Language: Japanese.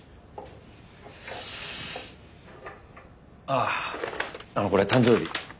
あっあのこれ誕生日。